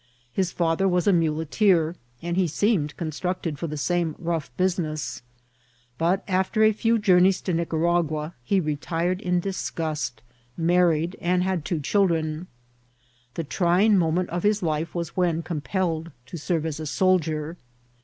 His father was a muleteer, and he seemed ccm structed for the same rough business ; but after a few journeys to Nicaragua he retired in disgust, married, and had two children. The trying moment c^ his life was when compelled to serve as a soldier.